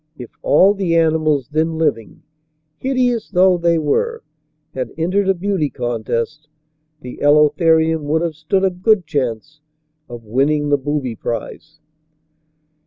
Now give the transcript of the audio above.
If all the animals then living, hideous though they were, had entered a beauty contest, the Elotherium would have stood a good chance of winning the booby prize.